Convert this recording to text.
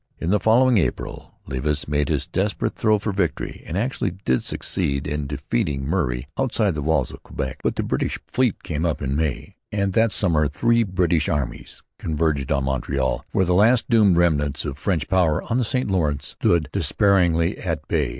In the following April Levis made his desperate throw for victory; and actually did succeed in defeating Murray outside the walls of Quebec. But the British fleet came up in May; and that summer three British armies converged on Montreal, where the last doomed remnants of French power on the St Lawrence stood despairingly at bay.